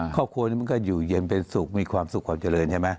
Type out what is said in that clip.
ครอบครัวนี้มันก็อยู่เย็นเป็นสุขมีความสุขความเจริญใช่ไหม